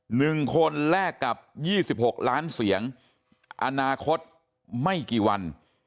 หนึ่งคนแลกกับ๒๖ล้านเสียงอนาคตไม่กี่วัน